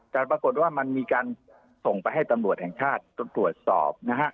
แต่ปรากฏว่ามันมีการส่งไปให้ตำรวจแห่งชาติตรวจสอบนะฮะ